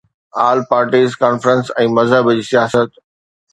آل parties conference ۽ مذهب جي سياست